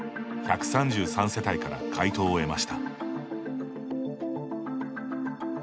１３３世帯から回答を得ました。